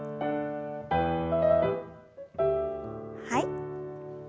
はい。